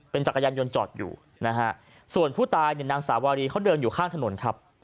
เป็นจักรยานยนต์จอดอยู่ส่วนผู้ตายนางสาวารีเขาเดินอยู่ข้างถนนครับ